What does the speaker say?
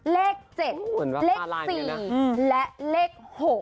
เลข๗เลข๔และเลข๖